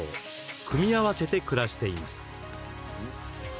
組み合わせて暮らしています。